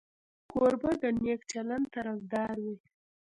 کوربه د نیک چلند طرفدار وي.